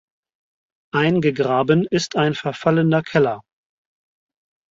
Eingegraben ist ein verfallener Keller.